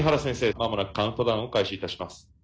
間もなくカウントダウンを開始いたします。